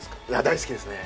大好きですね。